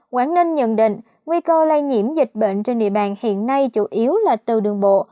quảng ninh nhận định nguy cơ lây nhiễm dịch bệnh trên địa bàn hiện nay chủ yếu là từ đường bộ